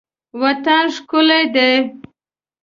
وطن ښکلی دی.